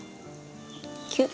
キュッ。